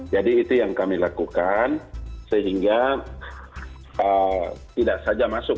jadi itu yang kami lakukan sehingga tidak saja masuk